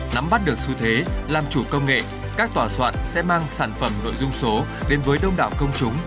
nắm bắt được xu thế làm chủ công nghệ các tòa soạn sẽ mang sản phẩm nội dung số đến với đông đảo công chúng